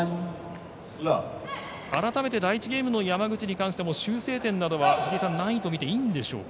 改めて第１ゲームの山口に関しても修正点などは、藤井さんないと見ていいんでしょうか。